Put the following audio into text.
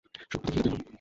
সুখ দেখিয়ে দেব!